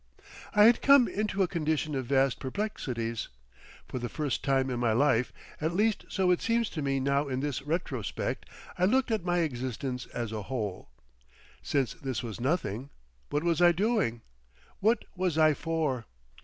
I had come into a condition of vast perplexities. For the first time in my life, at least so it seems to me now in this retrospect, I looked at my existence as a whole. Since this was nothing, what was I doing? What was I for?